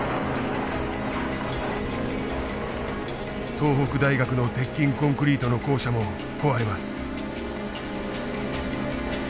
東北大学の鉄筋コンクリートの校舎も壊れます。